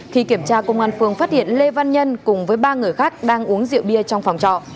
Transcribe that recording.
khi kiểm tra công an phường phát hiện lê văn nhân cùng với ba người khác đang uống rượu bia trong phòng trọ